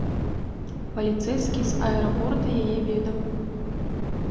Паліцэйскі з аэрапорта яе ведаў.